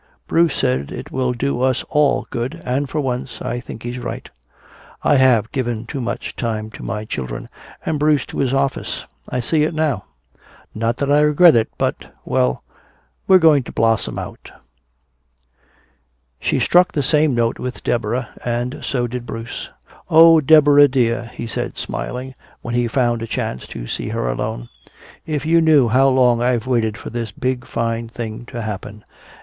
Bruce says it will do us all good, and for once I think he's right. I have given too much time to my children, and Bruce to his office I see it now. Not that I regret it, but well, we're going to blossom out." She struck the same note with Deborah. And so did Bruce. "Oh, Deborah dear," he said smiling, when he found a chance to see her alone, "if you knew how long I've waited for this big fine thing to happen.